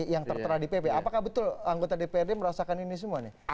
yang tertera di pp apakah betul anggota dprd merasakan ini semua nih